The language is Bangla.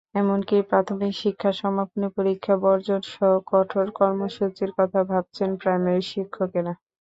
এমনকি প্রাথমিক শিক্ষা সমাপনী পরীক্ষা বর্জনসহ কঠোর কর্মসূচির কথা ভাবছেন প্রাইমারি শিক্ষকেরা।